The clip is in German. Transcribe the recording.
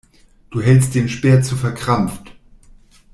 Du hältst den Speer zu verkrampft.